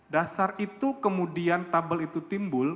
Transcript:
dasar itu kemudian tabel itu timbul